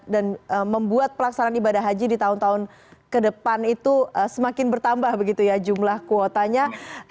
membuat pelaksanaan ibadah haji di tahun tahun ke depan itu semakin bertambah begitu ya jumlah kuotanya